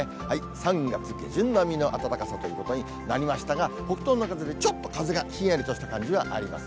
３月下旬並みの暖かさということになりましたが、北東の風で、ちょっと風がひんやりとした感じはあります。